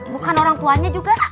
bukan orang tuanya juga